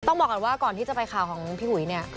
บอกก่อนว่าก่อนที่จะไปข่าวของพี่อุ๋ยเนี่ย